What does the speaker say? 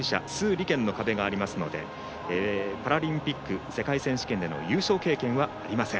莉娟の壁があるのでパラリンピック、世界選手権での優勝経験はありません。